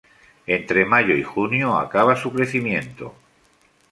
Entre mayo y junio acaba su crecimiento.